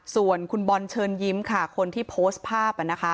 ส่วนคุณบอลเชิญยิ้มค่ะคนที่โพสต์ภาพ